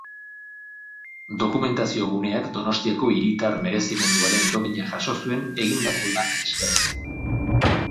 Dokumentazioguneak Donostiako Hiritar Merezimenduaren Domina jaso zuen egindako lana eskertzeko.